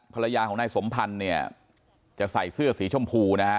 ภรรยาของนายสมพันธ์เนี่ยจะใส่เสื้อสีชมพูนะฮะ